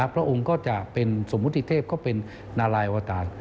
พระองค์ก็จะเป็นสมมุติเทพก็เป็นนารายอวตาร